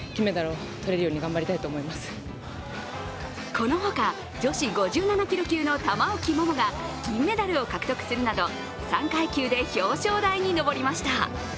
このほか、女子５７キロ級の玉置桃が銀メダルを獲得するなど、３階級で表彰台に上りました。